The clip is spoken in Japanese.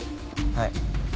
はい。